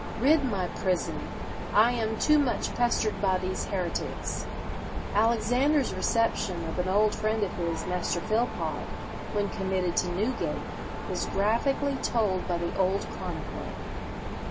rid my prison! I am too much pestered by these heretics.'" Alexander's reception of an old friend of his, Master Philpot, when committed to Newgate, is graphically told by the old chronicler.